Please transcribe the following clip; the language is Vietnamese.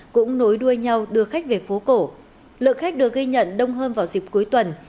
cũng nối đuôi nhau đưa khách về phố cổ lượng khách được ghi nhận đông hơn vào dịp cuối tuần